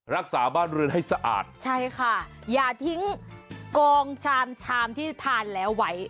รักษาบ้านเรือนให้สะอาดใช่ค่ะอย่าทิ้งกองชามชามที่ทานแล้วไว้